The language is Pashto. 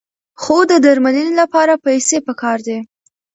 خو د درملنې لپاره پیسې پکار دي.